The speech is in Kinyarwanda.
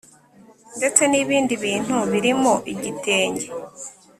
Ndetse N Ibindi Bintu Birimo Igitenge